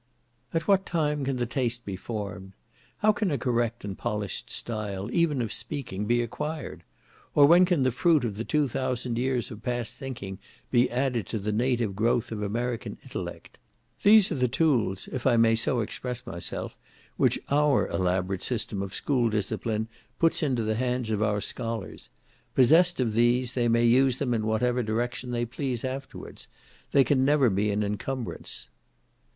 At what time can the taste be formed? How can a correct and polished style, even of speaking, be acquired? or when can the fruit of the two thousand years of past thinking be added to the native growth of American intellect? These are the tools, if I may so express myself, which our elaborate system of school discipline puts into the hands of our scholars; possessed of these, they may use them in whatever direction they please afterwards, they can never be an incumbrance.